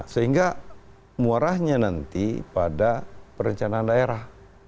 sehingga murahnya nanti pada perencanaan daerah